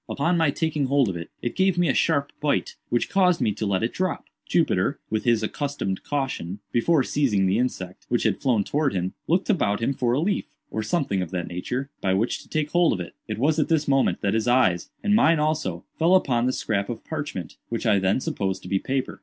Upon my taking hold of it, it gave me a sharp bite, which caused me to let it drop. Jupiter, with his accustomed caution, before seizing the insect, which had flown towards him, looked about him for a leaf, or something of that nature, by which to take hold of it. It was at this moment that his eyes, and mine also, fell upon the scrap of parchment, which I then supposed to be paper.